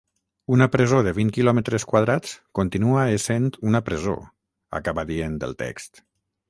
Una presó de vint quilòmetres quadrats continua essent una presó, acaba dient el text.